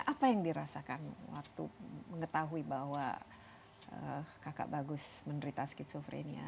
apa yang dirasakan waktu mengetahui bahwa kakak bagus menderita skizofrenia